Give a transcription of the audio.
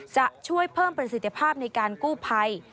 จะช่วยเพิ่มประสิทธิภาพในการกู้ภัย